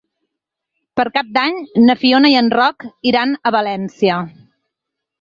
Per Cap d'Any na Fiona i en Roc iran a València.